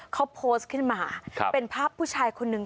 เขาโพสต์ขึ้นมาเป็นภาพผู้ชายคนนึง